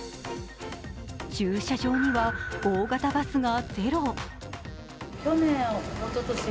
駐車場には大型バスが０。